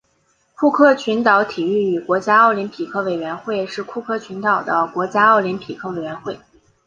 库克群岛体育与国家奥林匹克委员会是库克群岛的国家奥林匹克委员会。